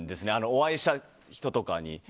お会いした人に。